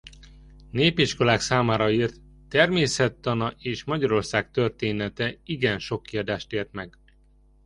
Népiskolák számára írt Természettana és Magyarország története igen sok kiadást ért meg.